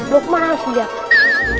lukman harus biarkan